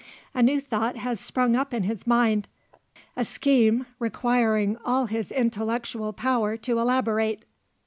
A new thought has sprang up in his mind a scheme requiring all his intellectual power to elaborate.